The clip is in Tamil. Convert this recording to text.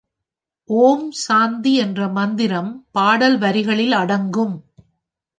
ஓம் சாந்தி என்ற மந்திரம் பாடல் வரிகளில் அடங்கும்.